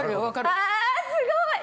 あすごい！